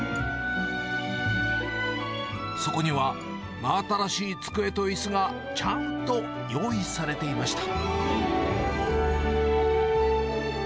そこには、真新しい机といすが、ちゃんと用意されていました。